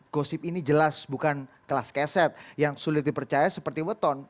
gosip ini jelas bukan kelas keset yang sulit dipercaya seperti weton